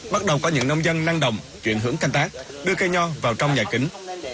bắt đầu có những nông dân năng đồng chuyển hưởng canh tác đưa cây nho vào trong nhà kính